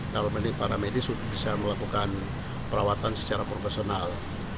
kalau ini para medis bisa melakukan perawatan secara profesional